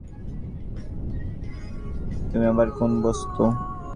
তুমি আবার কোন বস্তু?